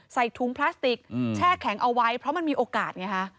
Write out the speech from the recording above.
ใส่ถุงพลาสติกแช่แข็งเอาไว้เพราะมันมีโอกาสไงฮะ